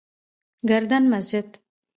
گردن مسجد: